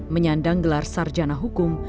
menyandang gelar sarjana hukum